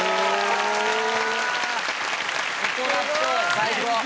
最高！